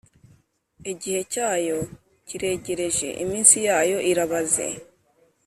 Igihe cyayo kiregereje, iminsi yayo irabaze.